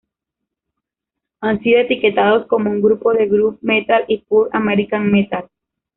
Han sido etiquetados como un grupo de groove metal y pure american metal.